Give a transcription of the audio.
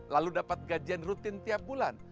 lalu dapat gajian rutin tiap bulan